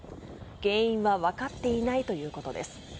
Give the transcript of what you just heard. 原因は分かっていないということです。